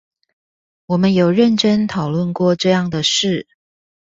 我們有認真討論過這樣的事